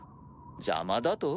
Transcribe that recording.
邪魔だと？